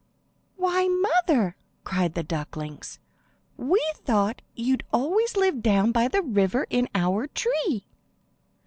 "Why, mother," cried the ducklings, "we thought you'd always lived down by the river in our tree!"